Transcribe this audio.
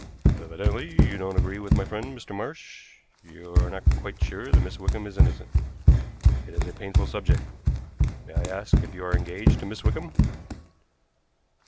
"Evidently you don't agree with my friend, Mr. Marsh. You are not quite sure that Miss Wickham is innocent. It is a painful subject. May I ask if you are engaged to Miss Wickham?"